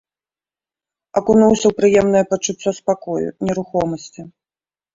Акунуўся ў прыемнае пачуццё спакою, нерухомасці.